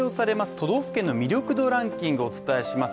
都道府県の魅力度ランキングをお伝えします